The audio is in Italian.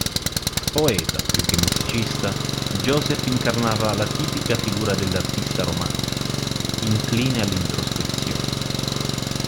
Poeta più che musicista, Josef incarnava la tipica figura dell'artista romantico, incline all'introspezione.